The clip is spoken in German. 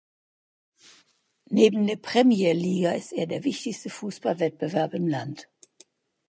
Neben der Premjer-Liga ist er der wichtigste Fußballwettbewerb im Land.